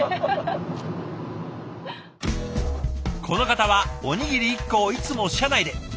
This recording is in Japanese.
この方はおにぎり１個をいつも車内で。